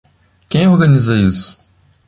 Quem organiza isso?